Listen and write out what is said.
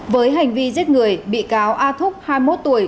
với hành vi giết người bị cáo a thúc hai mươi một tuổi